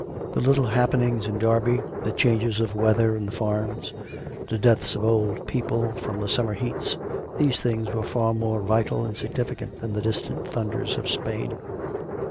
The little happenings in Derby; the changes of weather in the farms; the deaths of old people from the summer heats — these things were far more vital and sig nificant than the distant thunders of Spain.